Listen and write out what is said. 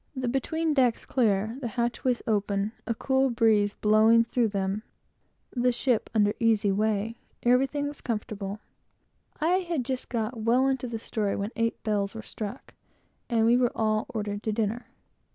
The between decks were clear, the hatchways open, and a cool breeze blowing through them, the ship under easy way, and everything comfortable. I had just got well into the story, when eight bells were struck, and we were all ordered to dinner.